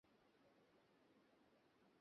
এরা স্যার জিজ্ঞেস করছিল, তোমাদের ডিউটি অফিসার কে।